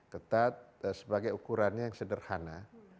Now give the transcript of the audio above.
ketat sebagai ukurannya yang sederhana